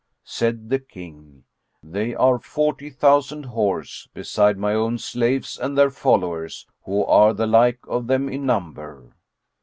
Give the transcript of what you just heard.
Said the King, "They are forty thousand horse, beside my own slaves and their followers,[FN#18] who are the like of them in number."